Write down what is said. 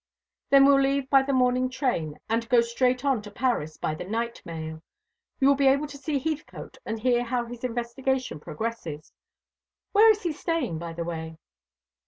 "Then we'll leave by the morning train, and go straight on to Paris by the night mail. You will be able to see Heathcote, and hear how his investigation progresses. Where is he staying, by the way?"